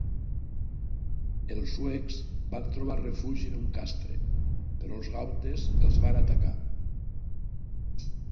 Els suecs van trobar refugi en un castre, però els gautes els van atacar.